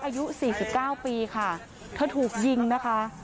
อายุ๔๙ปีค่ะเธอถูกยิงนะคะ